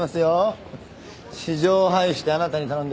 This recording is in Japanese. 私情を排してあなたに頼んでよかった。